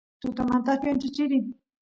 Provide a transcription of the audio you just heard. tutamantapi ancha chirin